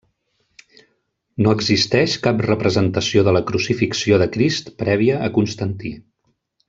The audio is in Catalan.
No existeix cap representació de la crucifixió de Crist prèvia a Constantí.